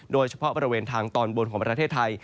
โดยเฉพาะบริเวณทางตอนบนของประเทศไทย